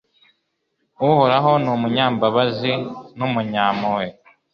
Uhoraho ni umunyambabazi n’umunyampuhwe